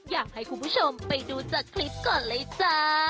อยากให้คุณผู้ชมไปดูจากคลิปก่อนเลยจ้า